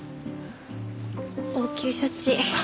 応急処置。